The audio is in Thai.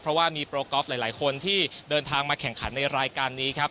เพราะว่ามีโปรกอล์ฟหลายคนที่เดินทางมาแข่งขันในรายการนี้ครับ